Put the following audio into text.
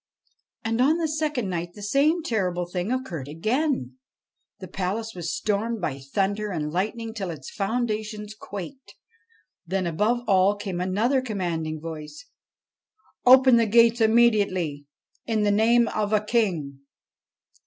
And on tne second night the same terrible thing occurred again. The palace was stormed by thunder and lightning till its foundations 96 BASHTCHELIK quaked. Then, above all, came another commanding voice :' Open the gates immediately in the name of a King